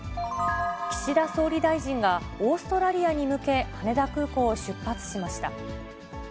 岸田総理大臣が、オーストラリアに向け、羽田空港を出発しました。